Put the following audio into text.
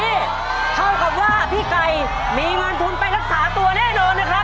นี่เท่ากับว่าพี่ไก่มีเงินทุนไปรักษาตัวแน่นอนนะครับ